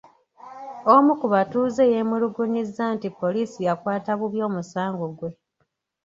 Omu ku batuuze yeemulugunyizza nti poliisi yakwata bubi omusango gwe.